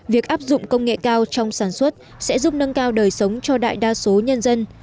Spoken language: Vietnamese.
việc áp dụng công nghệ cao trong sản xuất sẽ giúp nâng cao đời sống cho đại đa số nhân dân